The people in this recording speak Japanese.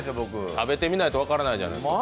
食べてみないと分からないじゃないですか。